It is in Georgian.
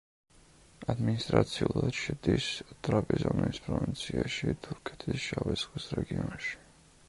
ადმინისტრაციულად შედის ტრაპიზონის პროვინციაში, თურქეთის შავი ზღვის რეგიონში.